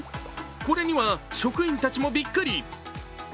これには職員たちもびっくり。